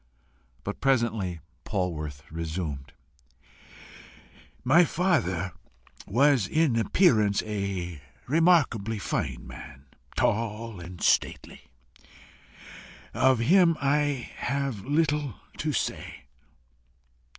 But presently Polwarth resumed: "My father was in appearance a remarkably fine man, tall and stately. Of him I have little to say.